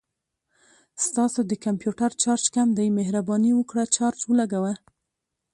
ستاسو د کمپوټر چارج کم دی، مهرباني وکړه چارج ولګوه